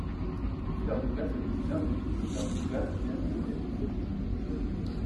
Peter Douglas est aussi l'un des fils de Kirk Douglas et Anne Buydens.